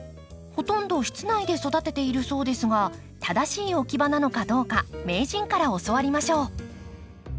ほとんど室内で育てているそうですが正しい置き場なのかどうか名人から教わりましょう。